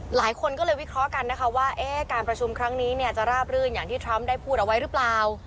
หลายคนก็เลยวิเคราะห์กันนะคะว่าการประชุมครั้งนี้เนี่ยจะราบรื่นอย่างที่ทรัมป์ได้พูดเอาไว้หรือเปล่า